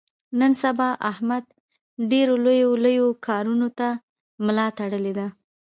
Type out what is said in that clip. نن سبا احمد ډېرو لویو لویو کاونو ته ملا تړلې ده.